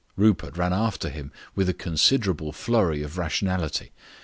Rupert ran after him with a considerable flurry of rationality.